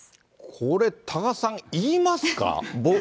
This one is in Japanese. これ、多賀さん、言いますか。